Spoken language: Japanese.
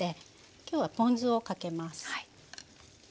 今日はポン酢をかけます。